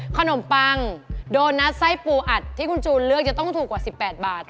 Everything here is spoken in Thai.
ขนมปังโดนัทไส้ปูอัดที่คุณจูนเลือกจะต้องถูกกว่า๑๘บาท